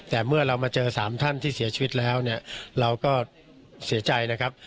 แต่เมื่อเรามาเจอ๓ท่านที่เสียชีวิตแล้วเนี่ยเราก็เสียใจนะครับ